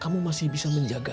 kamu masih bisa menjaganya